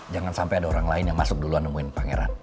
jangan sampai ada orang lain yang masuk duluan nemuin pangeran